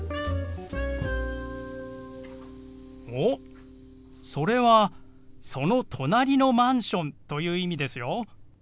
おっそれは「その隣のマンション」という意味ですよ。